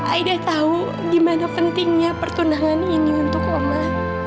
aida tahu gimana pentingnya pertunangan ini untuk oma